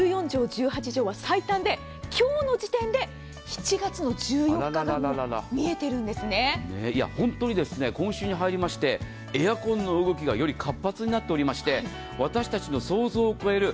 １４畳、１８畳は最短で今日の時点で７月１４日が本当に今週に入りましてエアコンの動きがより活発になっておりまして私たちの想像を超える。